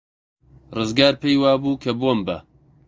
ڕزگار پێی وابوو کە بۆمبە.